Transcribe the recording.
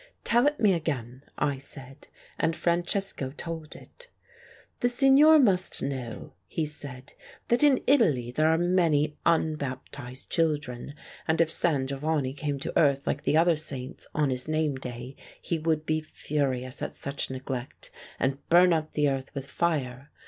"Tell it me again," I said, and Francesco told it. "The signor must know," he said, "that in Italy there are many unbaptized children, and if San Gio vanni came to earth like the other saints on his name day, he would be furious at such neglect, and burn up the earth with fire.